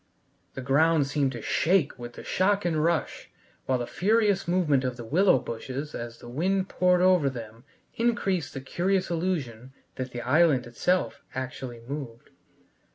The ground seemed to shake with the shock and rush while the furious movement of the willow bushes as the wind poured over them increased the curious illusion that the island itself actually moved.